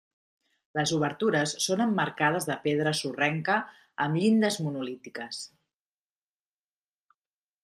Les obertures són emmarcades de pedra sorrenca amb llindes monolítiques.